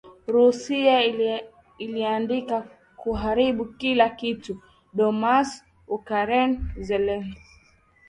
Russia inalenga kuharibu kila kitu Donbas, Ukraine - Zelensky.